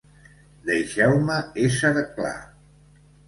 Deixeu-me ésser clar.